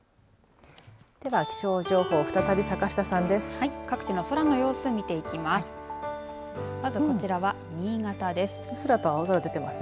では気象情報再び坂下さんです。